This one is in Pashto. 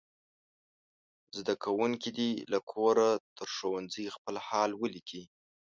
زده کوونکي دې له کوره تر ښوونځي خپل حال ولیکي.